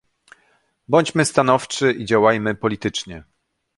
Bądźmy stanowczy i działajmy politycznie